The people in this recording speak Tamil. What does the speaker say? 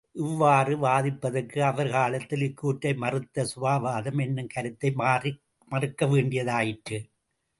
இவ்வாறு வாதிப்பதற்கு, அவர் காலத்தில் இக்கூற்றை மறுத்த சுபாவவாதம் என்னும் கருத்தை மறுக்கவேண்டியதாயிற்று.